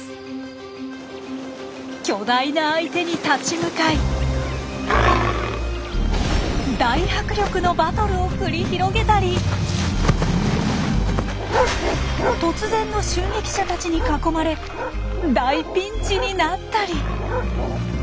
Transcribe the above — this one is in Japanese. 巨大な相手に立ち向かい大迫力のバトルを繰り広げたり突然の襲撃者たちに囲まれ大ピンチになったり。